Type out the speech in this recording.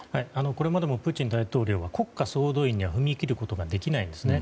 これまでもプーチン大統領は国家総動員に踏み切ることはできないんですね。